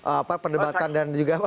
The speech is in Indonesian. apa perdebatan dan juga